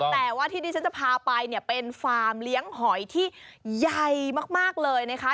แต่ว่าที่ที่ฉันจะพาไปเนี่ยเป็นฟาร์มเลี้ยงหอยที่ใหญ่มากเลยนะคะ